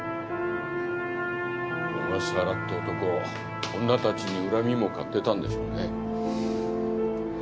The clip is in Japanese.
・小笠原って男女たちに恨みも買ってたんでしょうね。